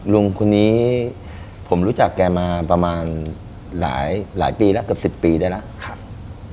ลุงคนนี้ผมรู้จักแกมาประมาณหลายปีแล้วเกือบ๑๐ปีได้แล้ว